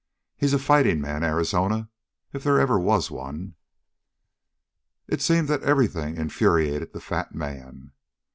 "He's a fighting man, Arizona, if they ever was one." It seemed that everything infuriated the fat man.